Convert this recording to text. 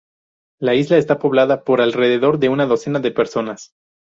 La isla está poblada por alrededor de una docena de personas.